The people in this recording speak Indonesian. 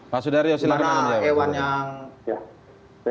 pak sudaryo silahkan menjawab